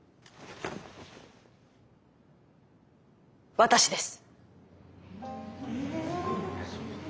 私です。